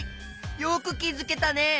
よくきづけたね！